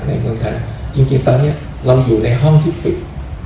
เมืองไทยจริงตอนนี้เราอยู่ในห้องที่ปิด